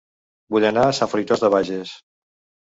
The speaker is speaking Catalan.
Vull anar a Sant Fruitós de Bages